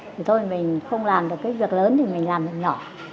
thì thôi mình không làm được cái việc lớn thì mình làm được nhỏ